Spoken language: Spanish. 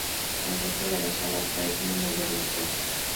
El resto de las alas parecen envolver los cuerpos.